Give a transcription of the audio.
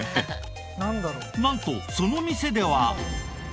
なんとその店では。